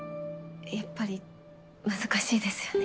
やっぱり難しいですよね。